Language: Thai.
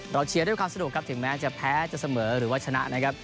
เชียร์ด้วยความสนุกครับถึงแม้จะแพ้จะเสมอหรือว่าชนะนะครับ